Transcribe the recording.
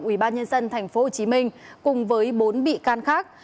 ubnd tp hcm cùng với bốn bị can khác